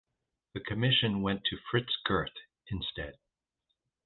The commission went to Fritz Gerth instead.